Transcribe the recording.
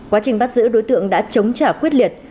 quá trình bắt giữ đối tượng đã chống trả quyết liệt